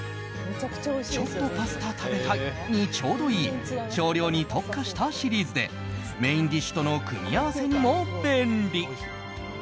ちょっとパスタ食べたいにちょうどいい少量に特化したシリーズでメインディッシュとの組み合わせにも便利。